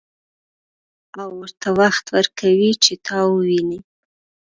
او ورته وخت ورکوي چې تا وويني.